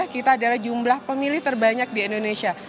kita adalah jumlah pemilih terbanyak di indonesia